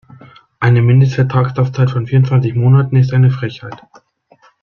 Eine Mindestvertragslaufzeit von vierundzwanzig Monaten ist eine Frechheit.